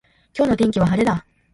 今日の天気は晴れだ。